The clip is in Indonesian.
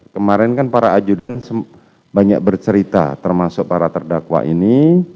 kemarin kan para ajudan banyak bercerita termasuk para terdakwa ini